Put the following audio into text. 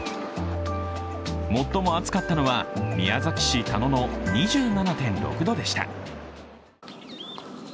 最も暑かったのは宮崎市田野の２７．６度でした。